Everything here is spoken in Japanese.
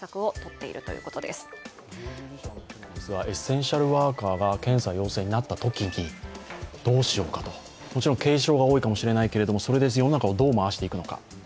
エッセンシャルワーカーが検査陽性になったときにどうしようかと、もちろん軽症が多いかもしれないけれども、それで世の中をどう回していくのか。